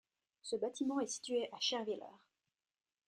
Ce bâtiment est situé à Scherwiller.